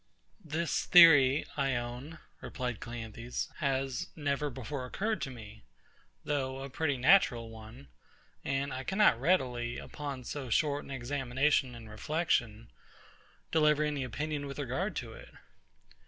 This theory, I own, replied CLEANTHES, has never before occurred to me, though a pretty natural one; and I cannot readily, upon so short an examination and reflection, deliver any opinion with regard to it.